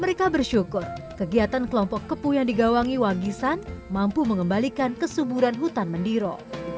mereka bersyukur kegiatan kelompok kepuh yang digawangi wagisan mampu mengembalikan kesuburan hutan mendiro